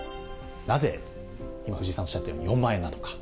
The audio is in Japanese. なぜ、藤井さんおっしゃったように４万円なのか。